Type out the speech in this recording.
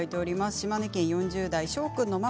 島根県４０代の方。